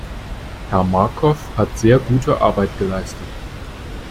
Herr Markov hat sehr gute Arbeit geleistet.